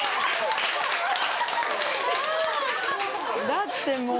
だってもう。